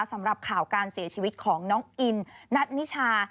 สำหรับข่าวการเสียชีวิตของน้องอินนัทนิชา